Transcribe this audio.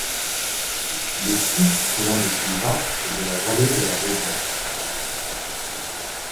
Le site est l'un des plus vastes de la vallée de la Vézère.